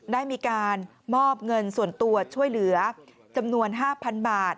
ได้มีการมอบเงินส่วนตัวช่วยเหลือจำนวน๕๐๐๐บาท